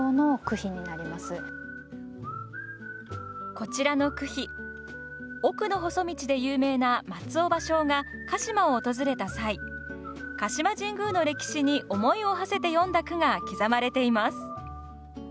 こちらの句碑奥の細道で有名な松尾芭蕉が鹿嶋を訪れた際鹿島神宮の歴史に思いをはせて詠んだ句が刻まれています。